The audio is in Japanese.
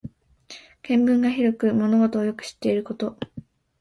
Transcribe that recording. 見聞が広く物事をよく知っていること。